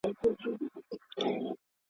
وایي تربور چي ښه وي نو ښه دی !.